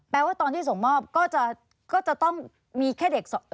ว่าตอนที่ส่งมอบก็จะต้องมีแค่เด็ก